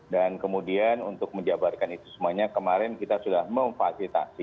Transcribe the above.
dan kemudian untuk menjabarkan itu semuanya kemarin kita sudah memfasilitasi